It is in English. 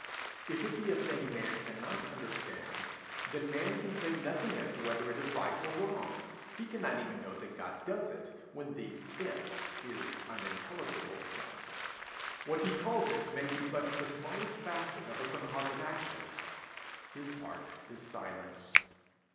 If it be a thing man cannot understand, then man can say nothing as to whether it is right or wrong. He cannot even know that God does it, when the it is unintelligible to him. What he calls it may be but the smallest facet of a composite action. His part is silence.